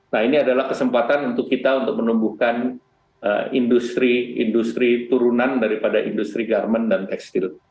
nah ini adalah kesempatan untuk kita untuk menumbuhkan industri turunan daripada industri garmen dan tekstil